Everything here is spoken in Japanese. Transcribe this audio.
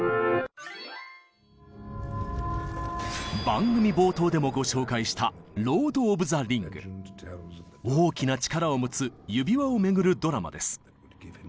番組冒頭でもご紹介した大きな力を持つ「指輪」を巡るドラマです。